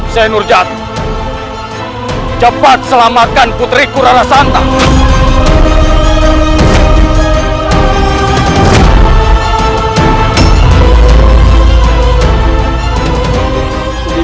senur jatuh cepat selamatkan putri kurara santai